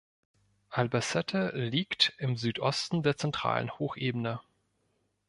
Albacete liegt im Südosten der zentralen Hochebene.